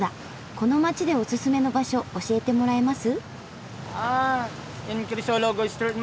この街でおすすめの場所教えてもらえます？